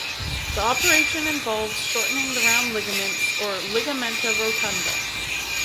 The operation involved shortening the round ligaments, or "Ligamenta rotunda".